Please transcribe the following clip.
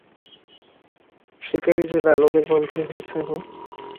শিকারী যে দানবের বন্ধু হয়েছে, হুম?